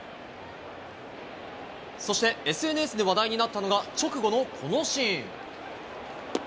そして、ＳＮＳで話題になったのが直後のこのシーン。